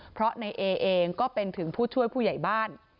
เพราะในเอเองก็เป็นถึงผู้ช่วยผู้ใหญ่บ้าน